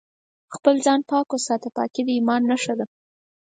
خپل ځان پاک وساته ، پاکي د ايمان نښه ده